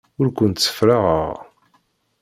Ur kent-ssefraɣeɣ.